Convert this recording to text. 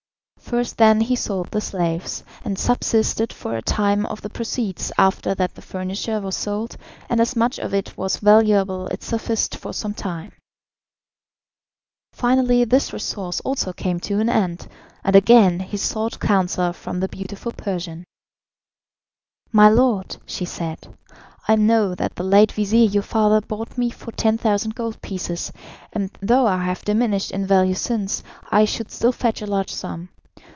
First then he sold the slaves, and subsisted for a time on the proceeds, after that the furniture was sold, and as much of it was valuable it sufficed for some time. Finally this resource also came to an end, and again he sought counsel from the beautiful Persian. "My lord," she said, "I know that the late vizir, your father, bought me for 10,000 gold pieces, and though I have diminished in value since, I should still fetch a large sum.